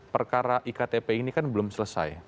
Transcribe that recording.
perkara iktp ini kan belum selesai